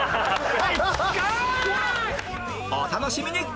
お楽しみに！